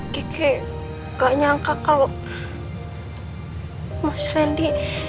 kiki gak nyangka kalau mas randy